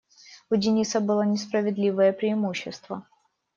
У Дениса было несправедливое преимущество.